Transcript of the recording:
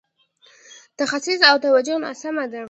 تخصیص او توجیه ناسمه ده.